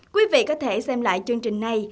quý vị có thể xem lại chương trình này